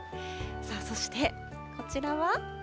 そしてこちらは？